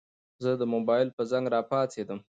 زه د موبايل په زنګ راپاڅېدم.